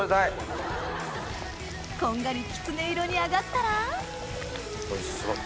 こんがりきつね色に揚がったらおいしそう。